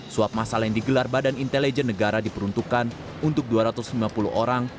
suap masal yang digelar badan intelijen negara diperuntukkan untuk dua ratus lima puluh orang